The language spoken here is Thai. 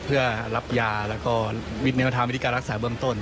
เพื่อรับยาแล้วก็แนวทางวิธีการรักษาเบื้องต้น